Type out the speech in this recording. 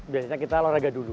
biasanya kita olahraga dulu